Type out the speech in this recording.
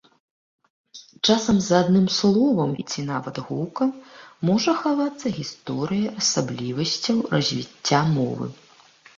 Часам за адным словам ці нават гукам можа хавацца гісторыя асаблівасцяў развіцця мовы.